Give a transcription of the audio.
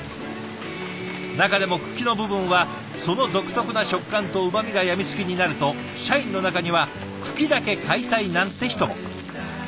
中でも茎の部分はその独特な食感とうまみが病みつきになると社員の中には茎だけ買いたいなんて人も。